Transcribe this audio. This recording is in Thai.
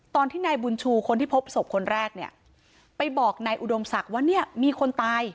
ตอนที่นายบุญชูคนที่พบศพคนแรกเนี่ยไปบอกนายอุดมศักดิ์ว่าเนี่ยมีคนตาย